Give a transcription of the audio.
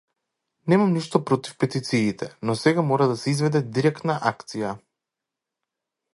Немам ништо против петициите, но сега мора да се изведе директна акција.